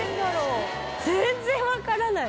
全然わからない！